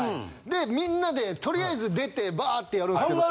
でみんなでとりあえず出てバーッてやるんですけど。